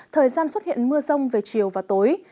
thời gian xuất hiện mưa rông về chiều và tối